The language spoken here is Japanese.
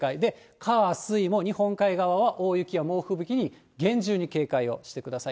火、水も、日本海側は大雪や猛吹雪に厳重に警戒をしてください。